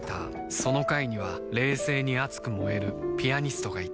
その階には冷静に熱く燃えるピアニストがいた